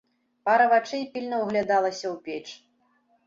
Пара вачэй пільна ўглядалася ў печ.